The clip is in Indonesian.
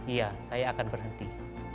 iya saya akan berhenti